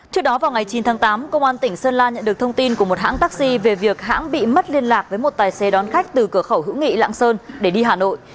trước đó vào ngày chín tháng tám công an tỉnh sơn la nhận được thông tin của một hãng taxi về việc hãng bị mất liên lạc với một tài xế đón khách từ cửa khẩu hữu nghị lạng sơn để đi hà nội